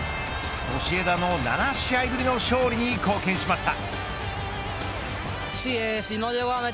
ソシエダの７試合ぶりの勝利に貢献しました。